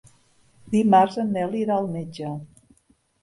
Dimarts en Nel irà al metge.